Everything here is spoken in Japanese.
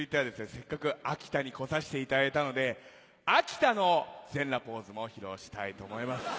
せっかく秋田に来させていただいたので秋田の全裸ポーズも披露したいと思います。